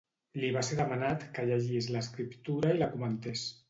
Li va ser demanat que llegís l'Escriptura i la comentés.